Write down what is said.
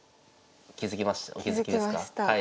気付きました？